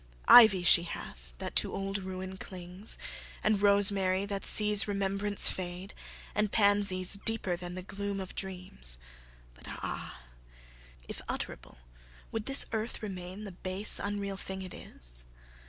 Ivy she hath, that to old ruin clings; And rosemary, that sees remembrance fade; And pansies, deeper than the gloom of dreams; But ah! if utterable, would this earth Remain the base, unreal thing it is?